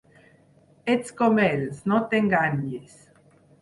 Ets com ells, no t’enganyis.